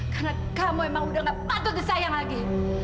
karena kamu emang udah nggak patut disayang lagi